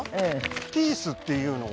ピースっていうのは？